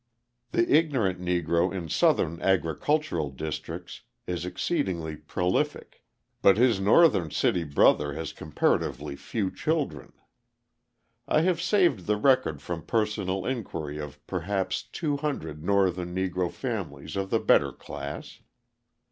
The ignorant Negro in Southern agricultural districts is exceedingly prolific, but his Northern city brother has comparatively few children. I have saved the record from personal inquiry of perhaps two hundred Northern Negro families of the better class.